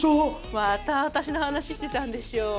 また私の話してたんでしょ。